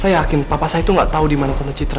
saya yakin papa saya itu gak tahu dimana tante citra